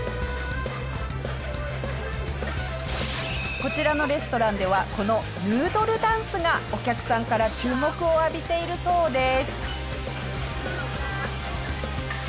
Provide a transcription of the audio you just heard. こちらのレストランではこのヌードルダンスがお客さんから注目を浴びているそうです。